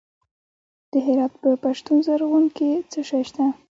د هرات په پشتون زرغون کې څه شی شته؟